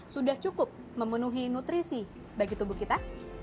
sudah cukup memenuhi nutrisi bagi tubuh kita